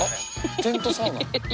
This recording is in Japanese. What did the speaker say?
テントサウナ。